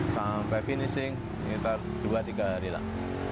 sampai finishing sekitar dua tiga hari lah